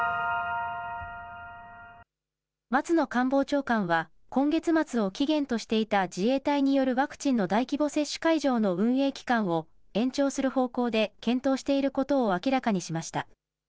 松野官房長官は今月末を期限としていた自衛隊によるワクチンの大規模接種会場の運営期間を延長する方向で検討していることを明らかにしました。